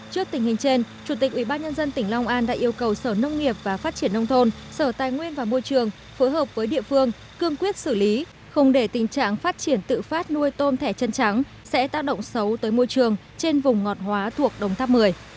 trước tình hình trên chủ tịch ubnd tỉnh long an đã yêu cầu sở nông nghiệp và phát triển nông thôn sở tài nguyên và môi trường phối hợp với địa phương cương quyết xử lý không để tình trạng phát triển tự phát nuôi tôm thẻ chân trắng sẽ tác động xấu tới môi trường trên vùng ngọt hóa thuộc đồng tháp một mươi